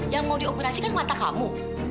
yang mau di operasi kan mata kamu